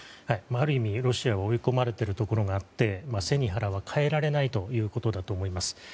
ある意味、ロシアは追い込まれているところがあって背に腹は代えられないということだと思います。